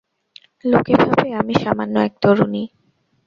লোকে ভাবে আমি সামান্য এক তরুণী।